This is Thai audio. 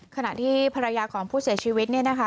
ขณะที่ภรรยาของผู้เสียชีวิตเนี่ยนะคะ